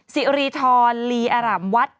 สิริธรลีอร่ำวัด